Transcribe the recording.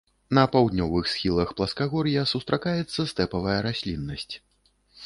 На паўднёвых схілах пласкагор'я сустракаецца стэпавая расліннасць.